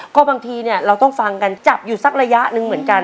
ก็บางทีเนี่ยเราต้องฟังกันจับอยู่สักระยะหนึ่งเหมือนกัน